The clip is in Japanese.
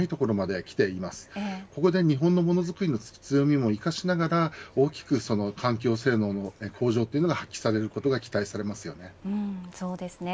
ここで日本のモノづくりの強みも生かしながら大きく環境性能の向上というのが発揮されることが期待されますよね。